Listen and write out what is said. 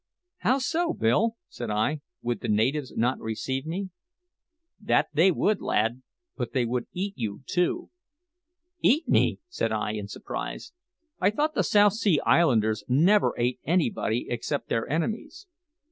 "How so, Bill?" said I. "Would the natives not receive me?" "That they would, lad; but they would eat you too." "Eat me!" said I in surprise. "I thought the South Sea Islanders never ate anybody except their enemies."